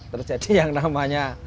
terjadi yang namanya